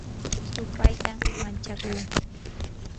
supaytam manchakuu